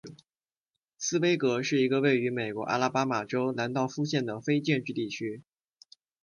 斯威格是一个位于美国阿拉巴马州兰道夫县的非建制地区。